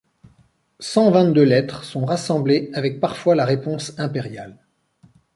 Cent-vingt-deux lettres sont rassemblées avec, parfois, la réponse impériale.